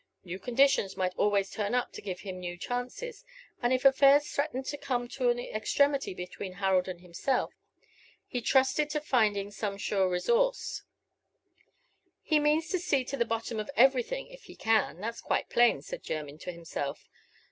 New conditions might always turn up to give him new chances; and if affairs threatened to come to an extremity between Harold and himself, he trusted to finding some sure resource. "He means to see to the bottom of everything if he can, that's quite plain," said Jermyn to himself.